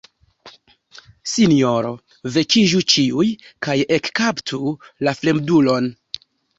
Sinjoro Vekiĝu ĉiuj kaj ekkaptu la fremdulon!